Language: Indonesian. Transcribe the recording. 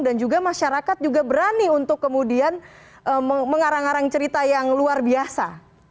dan juga masyarakat berani untuk kemudian mengarang arang cerita yang luar biasa